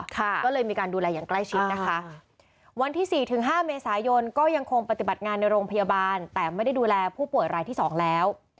ก็เลยมีการดูแลอย่างใกล้ชิดนะคะวันที่สี่ถึงห้าเมษายนก็ยังคงปฏิบัติงานในโรงพยาบาลแต่ไม่ได้ดูแลผู้ป่วยรายที่สองแล้ว